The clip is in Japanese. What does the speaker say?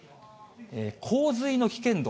洪水の危険度。